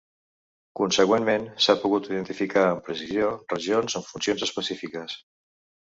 Consegüentment s’ha pogut identificar amb precisió regions amb funcions especifiques.